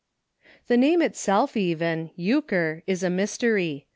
The name itself even — Euchre — is a mys tery.